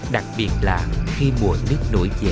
đặc biệt là khi mùa nước nổi về